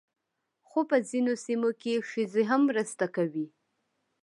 خو په ځینو سیمو کې ښځې هم مرسته کوي.